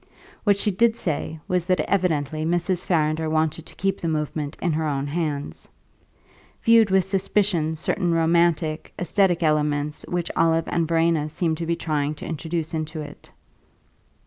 What she did say was that evidently Mrs. Farrinder wanted to keep the movement in her own hands viewed with suspicion certain romantic, esthetic elements which Olive and Verena seemed to be trying to introduce into it.